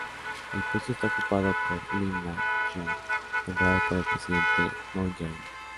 El puesto está ocupado por Lee Nak-yeon, nombrado por el presidente Moon Jae-in.